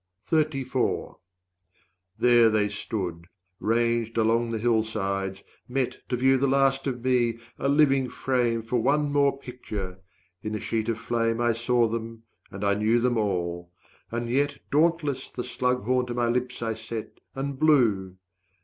There they stood, ranged along the hillsides, met To view the last of me, a living frame 200 For one more picture! in a sheet of flame I saw them and I knew them all. And yet Dauntless the slug horn to my lips I set, And blew.